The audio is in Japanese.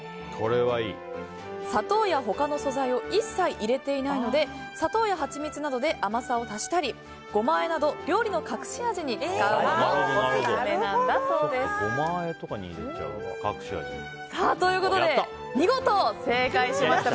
砂糖や他の素材を一切入れていないので砂糖やハチミツなどで甘さを足したりゴマあえなど料理の隠し味に使うのもオススメなんだそうです。ということで、見事正解しました。